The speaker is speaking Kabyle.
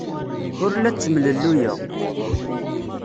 Ur la ttemlelluyeɣ.